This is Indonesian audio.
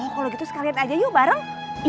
kalau gitu sekalian aja yuk bareng